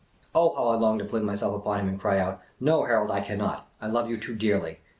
" Oh, how I longed to fling myself upon him and cry out, " No, Harold, I cannot ! I love you too dearly !